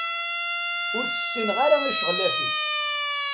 Ur s-ssineɣ ara i ccɣel-aki.